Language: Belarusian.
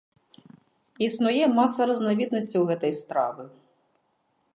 Існуе маса разнавіднасцяў гэтай стравы.